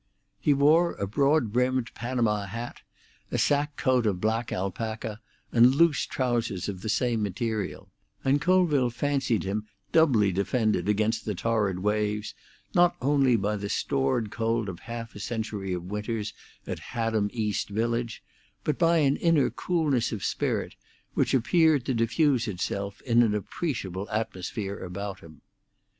He wore a broad brimmed Panama hat, a sack coat of black alpaca, and loose trousers of the same material, and Colville fancied him doubly defended against the torrid waves not only by the stored cold of half a century of winters at Haddam East Village, but by an inner coolness of spirit, which appeared to diffuse itself in an appreciable atmosphere about him.